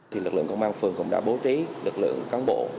thì lực lượng công an phường cũng đã bố trí lực lượng cán bộ